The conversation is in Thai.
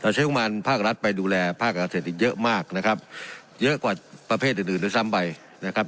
เชิงมันภาครัฐไปดูแลภาครัฐเศรษฐ์อีกเยอะมากนะครับเยอะกว่าประเภทอื่นอื่นหรือซ้ำไปนะครับ